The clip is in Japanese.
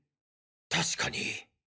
確かに。